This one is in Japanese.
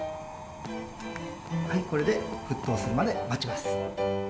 はいこれで沸騰するまで待ちます。